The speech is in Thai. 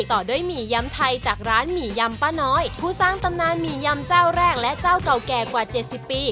ต่อด้วยหมี่ยำไทยจากร้านหมี่ยำป้าน้อยผู้สร้างตำนานหมี่ยำเจ้าแรกและเจ้าเก่าแก่กว่า๗๐ปี